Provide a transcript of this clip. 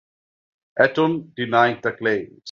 Aton denied the claims.